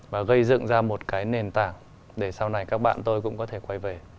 và gây dựng ra một cái nền tảng để sau này các bạn tôi cũng có thể quay về